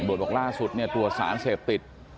บทบอกล่าสุดตัวสารเสพติด